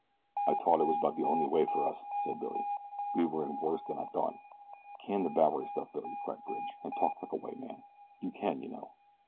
"I t'ought it was about de only way out fer us," said Billy. "We were in worse than I t'ought." "Can the Bowery stuff, Billy," cried Bridge, "and talk like a white man. You can, you know."